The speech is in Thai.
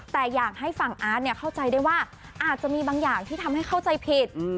แต่อยากให้ฝั่งอาร์ตเข้าใจได้ว่าอาจจะมีบางอย่างที่ทำให้เข้าใจผิด